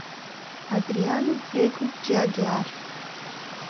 Adriano Rego de Aguiar